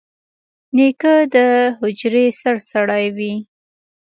نیکه د حجرې سرسړی وي.